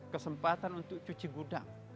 kesempatan untuk cuci gudang